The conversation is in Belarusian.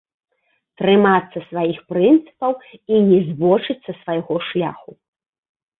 Трымацца сваіх прынцыпаў і не збочыць са свайго шляху.